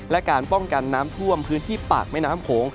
และการป้องกันน้ำท่วมพื้นที่ปากแม่น้ำโขง